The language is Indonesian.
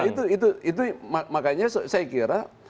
itu makanya saya kira